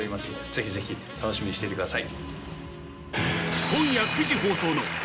ぜひぜひ楽しみにしていてください。